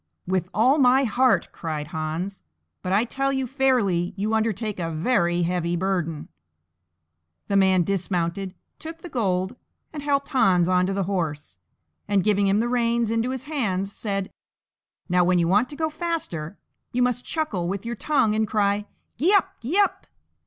"With all my heart," cried Hans; "but I tell you fairly you undertake a very heavy burden." The man dismounted, took the gold, and helped Hans on to the horse, and, giving him the reins into his hands, said, "Now, when you want to go faster, you must chuckle with your tongue and cry, 'Gee up! gee up!'"